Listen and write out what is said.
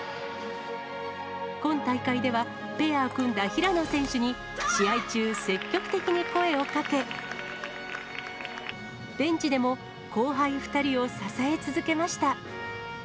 今大会では、ペアを組んだ平野選手に試合中、積極的に声をかけ、ベンチでも後輩２人を支え続けました。